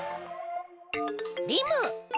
リム。